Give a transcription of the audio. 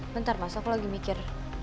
bentar masuk aku lagi mikir